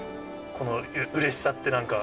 このうれしさって、なんか。